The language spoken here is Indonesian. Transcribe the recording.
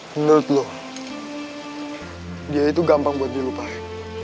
menurut lu dia itu gampang buat dilupain